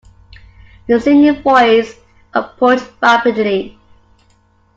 The singing voice approached rapidly.